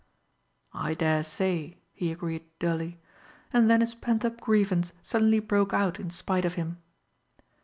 "I daresay," he agreed dully; and then his pent up grievance suddenly broke out in spite of him.